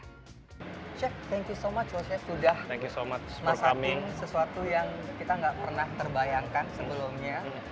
chef terima kasih banyak sudah masakin sesuatu yang kita nggak pernah terbayangkan sebelumnya